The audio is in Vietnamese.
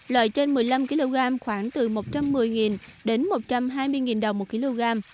loại trên một mươi năm kg khoảng từ một trăm một mươi đến một trăm hai mươi đồng một kg